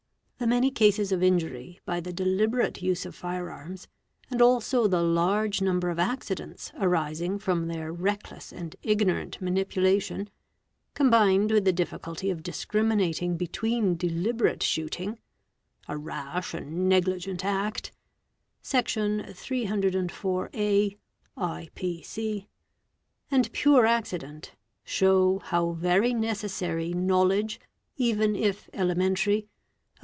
The many cases of injury by the deliberate use of fire arms, and also the large number of accidents arising from their reckless and ignorant manipula tion, combined with the difficulty of discriminating between deliberate shooting, a 'rash and negligent act'' (Sec. 304A, I. P. C.), and pure accident, show how very necessary knowledge, even if elementary, of.